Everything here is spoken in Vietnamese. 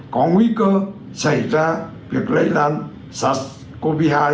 có nguy cơ xảy ra việc lây lan sars cov hai